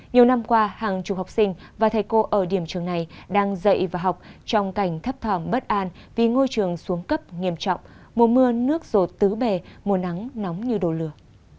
nhiều năm qua hàng chục học sinh và thầy cô ở điểm trường này đang dạy và học trong cảnh thấp thỏm bất an vì ngôi trường xuống cấp nghiêm trọng mùa mưa nước rột tứ bề mùa nắng nóng như đồ lửa